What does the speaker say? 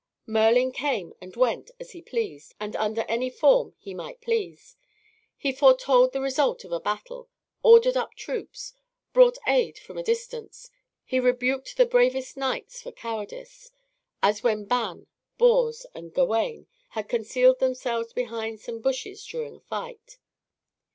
Merlin came and went as he pleased and under any form he might please. He foretold the result of a battle, ordered up troops, brought aid from a distance. He rebuked the bravest knights for cowardice; as when Ban, Bors, and Gawain had concealed themselves behind some bushes during a fight.